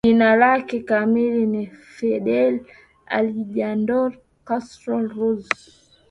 Jina lake kamili ni Fidel Alejandro Castro Ruz